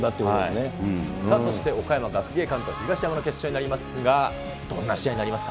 そして岡山学芸館と東山の決勝になりますが、どんな試合になりますか。